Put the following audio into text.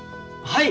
はい。